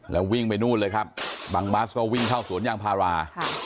แล้ววิ่งไปนู่นเลยครับบางบัสก็วิ่งเข้าสวนยางพารา